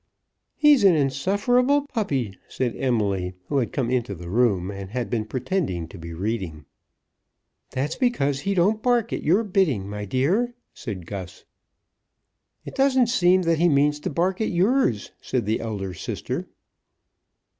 "He's an insufferable puppy," said Emily, who had come into the room, and had been pretending to be reading. "That's because he don't bark at your bidding, my dear," said Gus. "It doesn't seem that he means to bark at yours," said the elder sister.